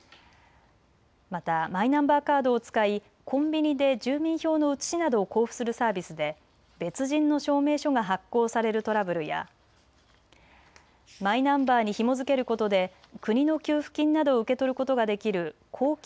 またマイナンバーカードを使いコンビニで住民票の写しなどを交付するサービスで別人の証明書が発行されるトラブルやマイナンバーにひも付けることで国の給付金などを受け取ることができる公金